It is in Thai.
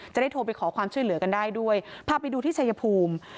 จะได้โทรไปขอความช่วยเหลือกันได้ด้วยพาไปดูที่ชายภูมิ